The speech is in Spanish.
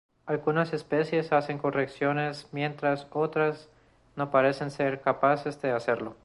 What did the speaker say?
Algunas especies hacen correcciones, mientras otras no parecen ser capaces de hacerlo.